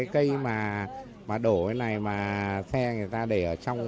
cây mà đổ cái này mà xe người ta để ở trong